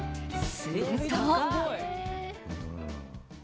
すると。